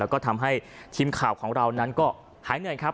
แล้วก็ทำให้ทีมข่าวของเรานั้นก็หายเหนื่อยครับ